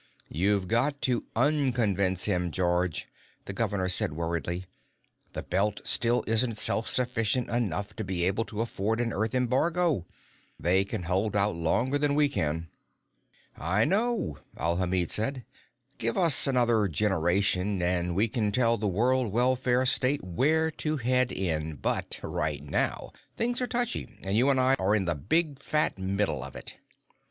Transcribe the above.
"You've got to unconvince him, George," the governor said worriedly. "The Belt still isn't self sufficient enough to be able to afford an Earth embargo. They can hold out longer than we can." "I know," Alhamid said. "Give us another generation, and we can tell the World Welfare State where to head in but right now, things are touchy, and you and I are in the big fat middle of it."